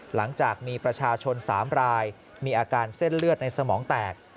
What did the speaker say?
หลังจากมีประชาชน๓รายมีอาการเส้นเลือดในสมองแตก